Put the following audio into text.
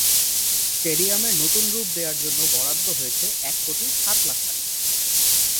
স্টেডিয়ামের নতুন রূপ দেওয়ার জন্য বরাদ্দ হয়েছে এক কোটি সাত লাখ টাকা।